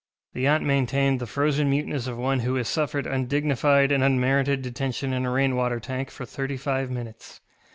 The aunt maintained the frozen muteness of one who has suffered undignified and unmerited detention in a rain water tank for thirty five minutes.